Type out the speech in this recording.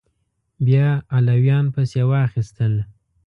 بیا علویان پسې واخیستل